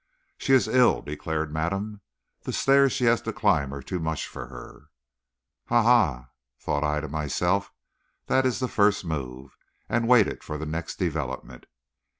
"She is ill," declared madame. "The stairs she has to climb are too much for her." "Ah, ha!" thought I to myself. "That is the first move," and waited for the next development.